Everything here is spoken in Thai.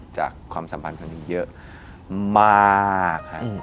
จากความสัมพันธ์คนนี้เยอะมาก